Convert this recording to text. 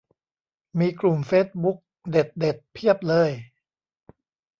มีกลุ่มเฟซบุ๊กเด็ดเด็ดเพียบเลย